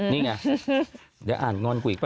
เดี๋ยวอ่านงอนกูอีกป่ะ